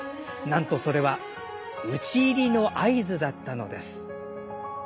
なんとそれは討ち入りの合図だったのです。